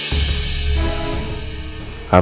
terima kasih ibu